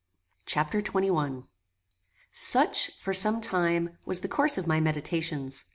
Chapter XXI Such, for some time, was the course of my meditations.